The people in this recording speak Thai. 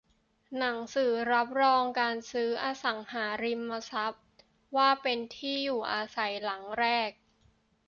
หนังสือรับรองการซื้ออสังหาริมทรัพย์ว่าเป็นที่อยู่อาศัยหลังแรก